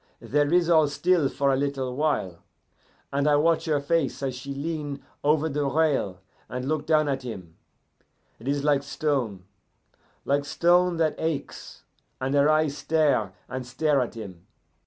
"There is all still for a little while, and I watch her face as she lean over the rail and look down at him; it is like stone, like stone that aches, and her eyes stare and stare at him.